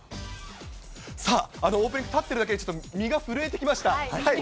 さあ、オープニング立っているだけでちょっと身が震えてきました。